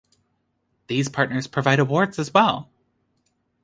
These partners provide awards as well.